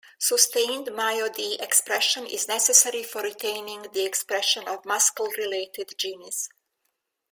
Sustained MyoD expression is necessary for retaining the expression of muscle-related genes.